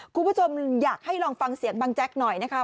คุณผู้ชมอยากให้ลองฟังเสียงบางแจ๊กหน่อยนะคะ